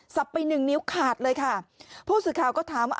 ไปหนึ่งนิ้วขาดเลยค่ะผู้สื่อข่าวก็ถามว่า